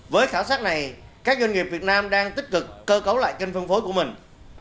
với khảo sát này các doanh nghiệp việt nam đang tích cực cơ cấu lại kênh phân phối của mình